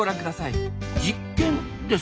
実験ですか？